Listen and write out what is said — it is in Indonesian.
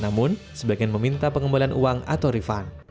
namun sebagian meminta pengembalian uang atau refund